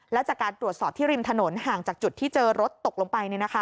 และจากการตรวจสอบที่ริมถนนห่างจากจุดที่เจอรถตกลงไป